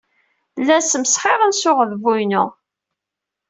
Llan smesxiren s uɣdebbu-inu.